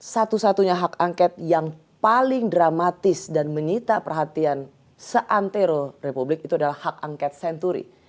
satu satunya hak angket yang paling dramatis dan menyita perhatian seantero republik itu adalah hak angket senturi